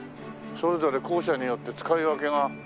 それぞれ校舎によって使い分けがねえ。